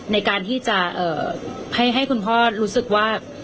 ในการที่จะให้คุณพ่อรู้สึกว่า